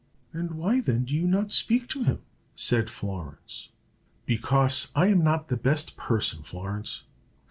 "And why, then, do you not speak to him?" said Florence. "Because I am not the best person, Florence.